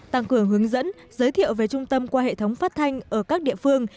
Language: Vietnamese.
tăng cường hướng dẫn giới thiệu về trung tâm qua hệ thống phát thanh ở các địa phương